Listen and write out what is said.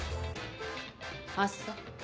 あっそう。